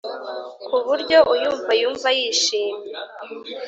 ku buryo uyumva yumva yishimye.